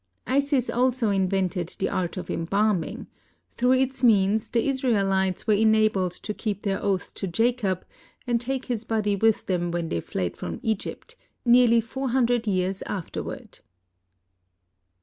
Isis also invented the art of embalming; through its means the Israelites were enabled to keep their oath to Jacob, and take his body with them when they fled from Egypt, nearly four hundred years afterward.